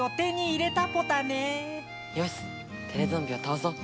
よしテレゾンビをたおそう！